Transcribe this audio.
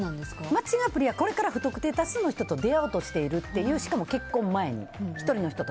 マッチングアプリはこれから不特定多数の人と出会おうとしているしかも結婚前に。